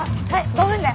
５分で。